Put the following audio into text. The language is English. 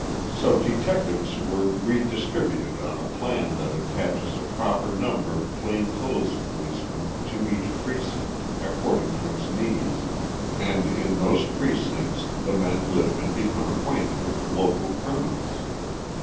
So detectives were re distributed on a plan that attaches a proper number of plain clothes policemen to each precinct, according to its needs, and in those precincts the men live and become acquainted with local criminals.